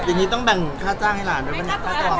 อย่างนี้ต้องแบ่งค่าจ้างให้หลานเลยไง